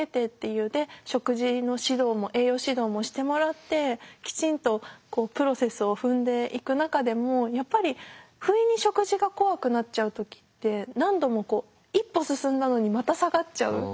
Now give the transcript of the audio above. で食事の指導も栄養指導もしてもらってきちんとプロセスを踏んでいく中でもやっぱりふいに食事が怖くなっちゃう時って何度もこう一歩進んだのにまた下がっちゃう。